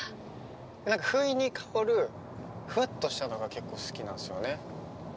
不意に香るフッとしたのが結構好きなんですよね。